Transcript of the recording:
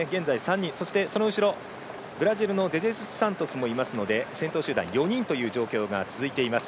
その後ろ、ブラジルのデジェズスサントスがいますので先頭集団、４人という状況が続いています。